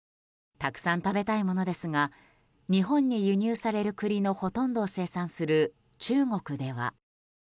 たくさん食べたいものですが日本に輸入される栗のほとんどを生産する中国では。